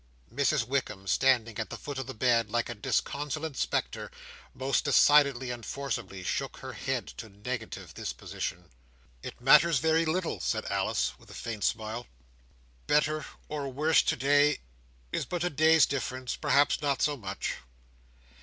Mrs Wickam, standing at the foot of the bed, like a disconsolate spectre, most decidedly and forcibly shook her head to negative this position. "It matters very little!" said Alice, with a faint smile. "Better or worse today, is but a day's difference—perhaps not so much."